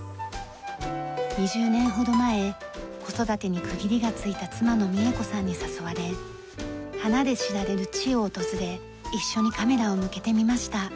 ２０年ほど前子育てに区切りがついた妻の三恵子さんに誘われ花で知られる地を訪れ一緒にカメラを向けてみました。